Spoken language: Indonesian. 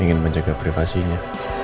ingin menjaga privasinya